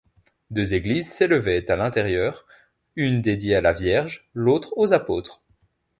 Deux églises s'élevaient à l'intérieur, une dédiée à la Vierge, l'autre aux Apôtres.